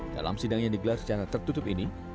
dalam sidang yang digelar secara tertutup ini